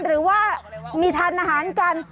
หรือว่ามีทานอาหารกัน